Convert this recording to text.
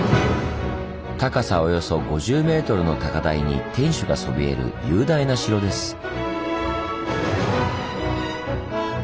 高さおよそ５０ｍの高台に天守がそびえる雄大な城です。